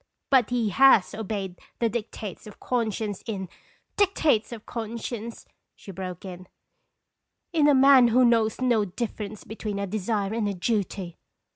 "But he has obeyed the dictates of con science in " "Dictates of conscience!" she broke in, " in a man who knows no difference between a desire and a duty!"